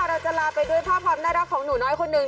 เราจะลาไปด้วยภาพความน่ารักของหนูน้อยคนหนึ่ง